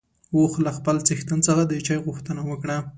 اوښ له خپل څښتن څخه د چای غوښتنه وکړه.